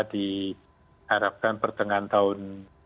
diharapkan pertengahan tahun